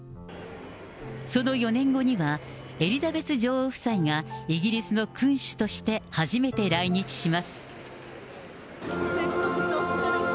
その４年後には、エリザベス女王夫妻がイギリスの君主として初めて来日します。